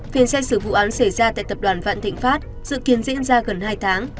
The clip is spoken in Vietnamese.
phiên xét xử vụ án xảy ra tại tập đoàn vạn thịnh pháp dự kiến diễn ra gần hai tháng